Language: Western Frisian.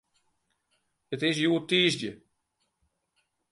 It is hjoed tiisdei.